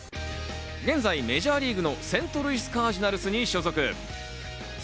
現在、メジャーリーグのセントルイス・カージナルスに所属。